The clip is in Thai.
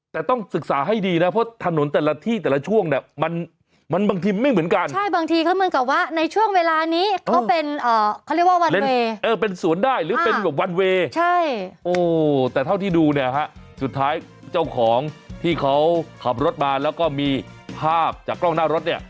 แต่ต้องศึกษาให้ดีนะเพราะถนนแต่ละที่แต่ละช่วงเนี่ย